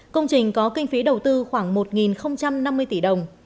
công trình có kinh phí đầu tư khoảng một năm mươi tỷ đồng